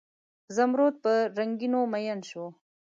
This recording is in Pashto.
زمرود په رنګینیو میین شوي